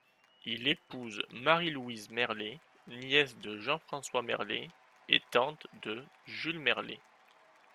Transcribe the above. Il épouse Marie-Louise Merlet, nièce de Jean-François Merlet et tante de Jules Merlet.